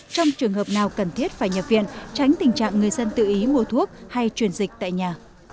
trong trường hợp nào cần thiết phải nhập viện tránh tình trạng người dân tự ý mua thuốc hay truyền dịch tại nhà